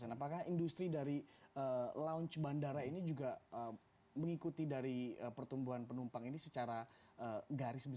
apakah industri dari lounge bandara ini juga mengikuti dari pertumbuhan penumpang ini secara garis besar